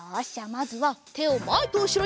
まずはてをまえとうしろに。